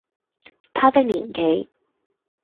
他的年紀，